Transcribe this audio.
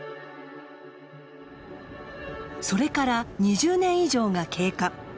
それから２０年以上が経過。